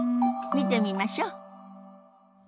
見てみましょ。